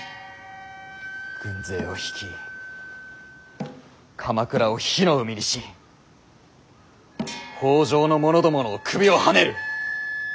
軍勢を率い鎌倉を火の海にし北条の者どもの首をはねる。